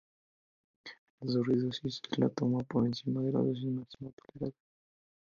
La sobredosis es la toma por encima de la dosis máxima tolerada.